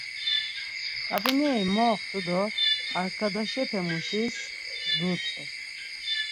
Ǩap̌ineri moxtu do arkadaşepemuşis dutzu.